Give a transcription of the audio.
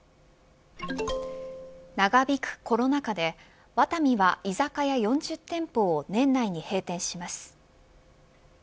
長引くコロナ禍でワタミは居酒屋４０店舗を年内に閉店します。